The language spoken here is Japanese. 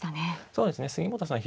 そうですね杉本さん